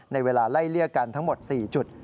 เวลาไล่เลี่ยกันทั้งหมด๔จุด